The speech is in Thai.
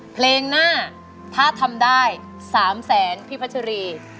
เพลงหน้าถ้าทำได้๓แสนพี่พัชรี